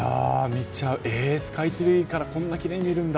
スカイツリーからこんなきれいに見えるんだ。